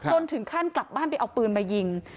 ถึงขั้นกลับบ้านไปเอาปืนมายิง